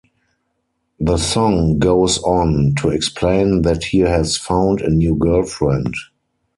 The song goes on to explain that he has found a new girlfriend.